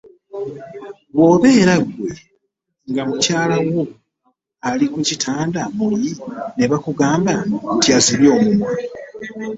Bw’obeera ggwe nga mukyala wo ali ku kitanda muyi ne bakugamba nti azibye omumwa.